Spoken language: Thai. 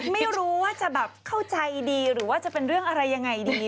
ไม่รู้ว่าจะแบบเข้าใจดีหรือว่าจะเป็นเรื่องอะไรยังไงดี